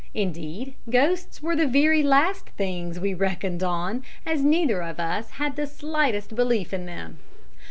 Indeed ghosts were the very last things we reckoned on, as neither of us had the slightest belief in them.